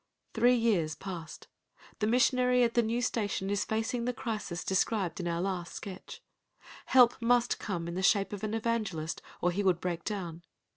Three years passed. The missionary at the new station is facing the crisis described in our last sketch. Help must come in the shape of an evangelist, or he would break down.